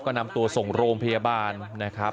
ก็นำตัวส่งโรงพยาบาลนะครับ